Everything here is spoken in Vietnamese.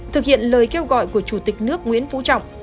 thực hiện lời kêu gọi của chủ tịch nước nguyễn phú trọng